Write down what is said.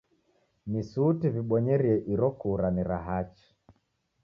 Ni suti w'ibonyerie iro kura ni ra hachi.